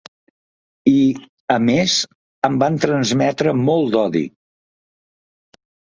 I, a més, em van transmetre molt d’odi.